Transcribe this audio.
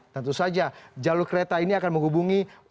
tentu saja jalur kereta ini akan menghubungi